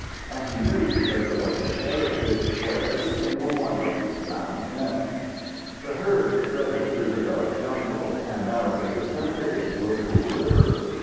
And he knew because it was his heritage, what every single one of these sounds meant. The herd threaded through the dark jungle, and now they descended into a cool river.